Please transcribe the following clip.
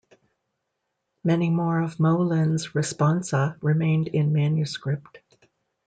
Many more of Moelin's "responsa" remained in manuscript.